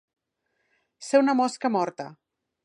Ser una mosca morta.